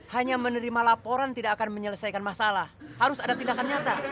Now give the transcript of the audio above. hanya menerima laporan tidak akan menyelesaikan masalah harus ada tindakan nyata